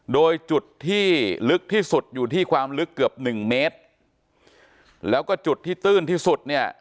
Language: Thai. โดยจุดที่ลึกที่สุดอยู่ที่ความลึกเกือบหนึ่งเมตรแล้วก็จุดที่ตื้นที่สุดเนี่ย